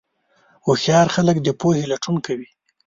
هوښیار خلک د پوهې لټون کوي.